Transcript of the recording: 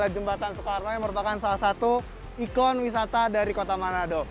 jembatan soekarno merupakan ikon wisata dari kota manado